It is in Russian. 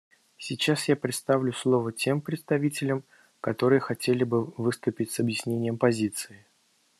Сейчас я предоставлю слово тем представителям, которые хотели бы выступить с объяснением позиции.